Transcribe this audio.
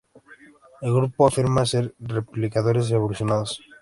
El grupo afirma ser Replicadores evolucionados.